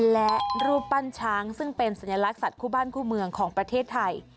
และรูปปั้นช้างซึ่งเป็นสัญลักษัตวคู่บ้านคู่เมืองของประเทศไทย